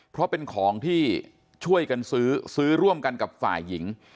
เพราะเป็นของที่ช่วยกันซื้อซื้อร่วมกันกับฝ่ายหญิง